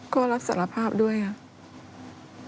ก็รับสารภาพด้วยค่ะ